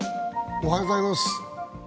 おはようございます。